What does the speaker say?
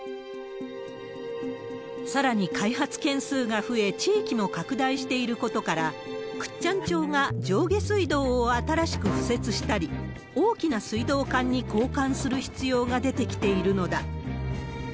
さらに開発件数が増え、地域も拡大していることから、倶知安町が上下水道を新しく敷設したり、大きな水道管に交換する必要が出てきているのだ。